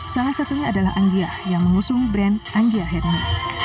salah satunya adalah anggia yang mengusung brand anggia hermi